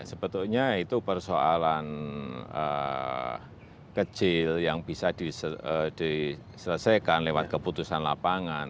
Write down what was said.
sebetulnya itu persoalan kecil yang bisa diselesaikan lewat keputusan lapangan